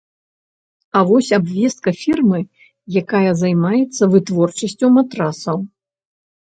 А вось абвестка фірмы, якая займаецца вытворчасцю матрасаў.